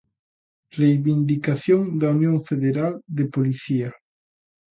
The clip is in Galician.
Reivindicación da Unión Federal de Policía.